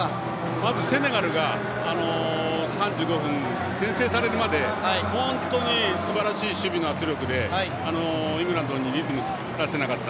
まずセネガルが３５分、先制されるまで本当にすばらしい守備の圧力でイングランドにリズムを作らせなかった。